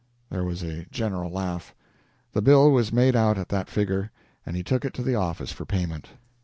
There was a general laugh. The bill was made out at that figure, and he took it to the office for payment.